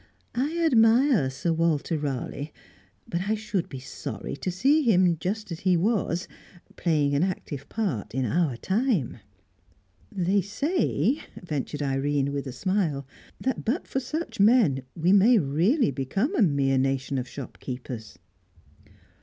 I admire Sir Walter Raleigh, but I should be sorry to see him, just as he was, playing an active part in our time." "They say," ventured Irene, with a smile, "that but for such men, we may really become a mere nation of shopkeepers."